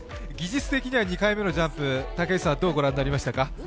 技術的には２回目のジャンプ竹内さんはどう御覧になりましたか。